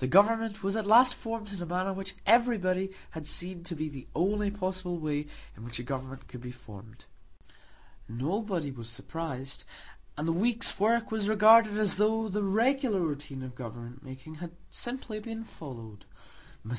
The Government was at last formed in a manner which everybody had seen to be the only possible way in which a government could be formed. Nobody was surprised, and the week's work was regarded as though the regular routine of government making had simply been followed. Mr.